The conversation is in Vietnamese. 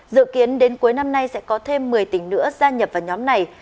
dự kiến đến cuối năm nay sẽ có thêm một mươi tỉnh nữa gia nhập vào nhóm này